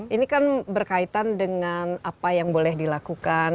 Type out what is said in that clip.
ini kan berkaitan dengan apa yang boleh dilakukan